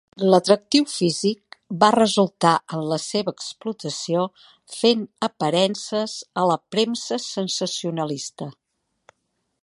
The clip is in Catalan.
El atractiu físic va resultar en la seva explotació fent aparences a la premsa sensacionalista.